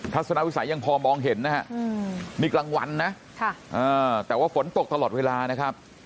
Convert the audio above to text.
ัศนวิสัยยังพอมองเห็นนะฮะนี่กลางวันนะแต่ว่าฝนตกตลอดเวลานะครับ